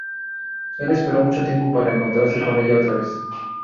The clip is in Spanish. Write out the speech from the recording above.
El esperó mucho tiempo para encontrarse con ella otra vez.